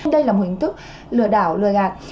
đây là một hình thức lừa đảo lừa gạt